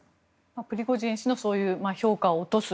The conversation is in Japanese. プリゴジン氏のそういう評価を落とす。